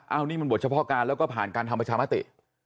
อันนี้มันบทเฉพาะการแล้วก็ผ่านการทำประชามติ